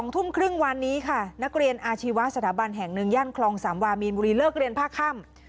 ทุ่มครึ่งวันนี้ค่ะนักเรียนอาชีวะสถาบันแห่งหนึ่งย่านคลองสามวามีนบุรีเลิกเรียนผ้าค่ำ